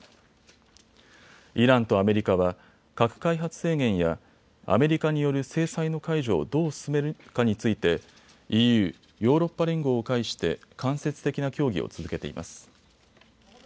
イランとアメリカは核開発制限やアメリカによる制裁の解除をどう進めるかについてＥＵ・ヨーロッパ連合を介して間接的な協議を続けています。